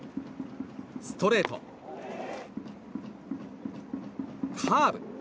ストレート、カーブ。